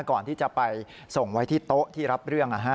ก่อนที่จะไปส่งไว้ที่โต๊ะที่รับเรื่อง